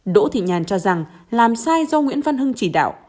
đỗ thị nhàn cho rằng làm sai do nguyễn văn hưng chỉ đạo